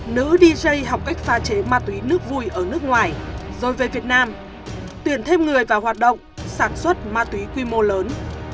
nữ dj học cách pha chế ma túy nước vui ở nước ngoài rồi về việt nam tuyển thêm người vào hoạt động sản xuất ma túy quy mô lớn